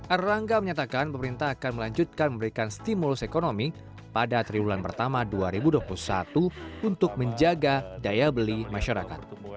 erlangga menyatakan pemerintah akan melanjutkan memberikan stimulus ekonomi pada triwulan pertama dua ribu dua puluh satu untuk menjaga daya beli masyarakat